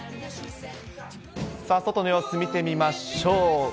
外の様子見てみましょう。